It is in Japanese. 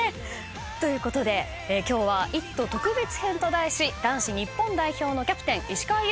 ということで今日は『イット！特別編』と題し男子日本代表のキャプテン石川祐希選手を特集します。